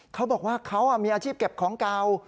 เขาบอกว่าเขามีอาชีพเก็บของเก่า